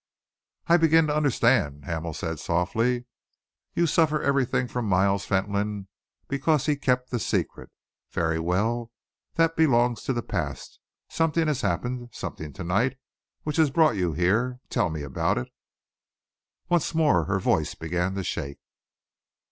"I begin to understand," Hamel said softly. "You suffer everything from Miles Fentolin because he kept the secret. Very well, that belongs to the past. Something has happened, something to night, which has brought you here. Tell me about it?" Once more her voice began to shake.